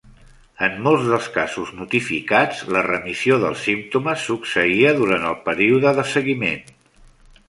En molts dels casos notificats, la remissió dels símptomes succeïa durant el període de seguiment.